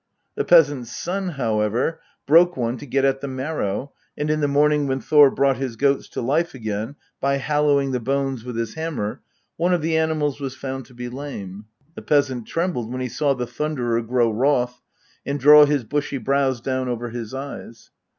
The peasant's son, however, broke one to get at the marrow, and in the morning when Thor brought his goats to life again by hallowing the bones with his hammer, one of the animals was found to be lame. The peasant trembled when he saw the Thunderer grow wroth, and draw his bushy brows down over his eyes.